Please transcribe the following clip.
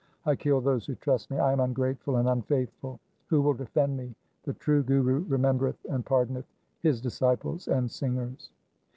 I kill those who trust me ; I am ungrateful and unfaithful ; who will defend me ? The true Guru remembereth and pardoneth his disciples and singers.